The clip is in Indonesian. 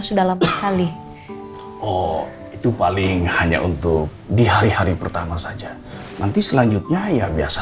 sudah delapan kali oh itu paling hanya untuk di hari hari pertama saja nanti selanjutnya ya biasa